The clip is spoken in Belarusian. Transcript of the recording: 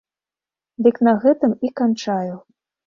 Дык на гэтым і канчаю.